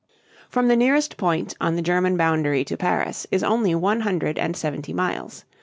From the nearest point on the German boundary to Paris is only one hundred and seventy miles.